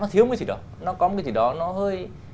nó thiếu cái gì đó nó có một cái gì đó nó hơi